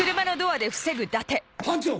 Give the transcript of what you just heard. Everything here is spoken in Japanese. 班長！